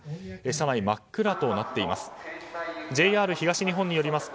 車内が真っ暗となっています。